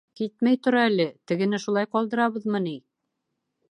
Китмәй тор әле, тегене шулай ҡалдырабыҙмы ни?